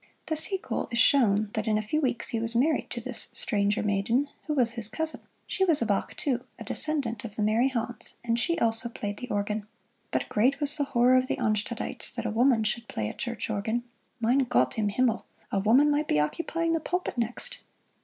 The sequel is shown that in a few weeks he was married to this "Stranger Maiden," who was his cousin. She was a Bach, too, a descendant of the merry Hans, and she, also, played the organ. But great was the horror of the Arnstadites that a woman should play a church organ. Mein Gott im Himmel a woman might be occupying the pulpit next!